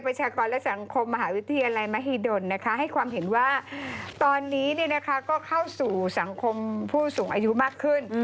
พูดถูกอายุมากขึ้น